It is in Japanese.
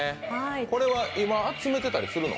これは今、集めてたりするの？